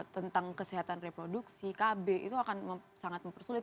tentang kesehatan reproduksi kb itu akan sangat mempersulit